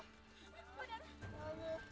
prati berada sangat jauh